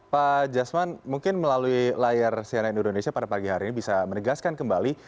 pak jasman mungkin melalui layar cnn indonesia pada pagi hari ini bisa menegaskan kembali